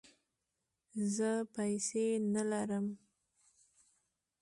زه پیسې نه لرم